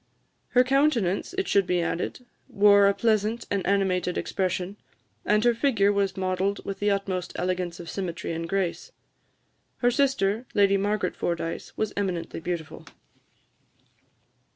Her countenance, it should be added, wore a pleasant and animated expression, and her figure was modelled with the utmost elegance of symmetry and grace. Her sister, Lady Margaret Fordyce, was eminently beautiful.